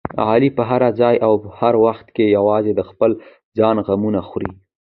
علي په هر ځای او هر وخت کې یوازې د خپل ځان غمه خوري.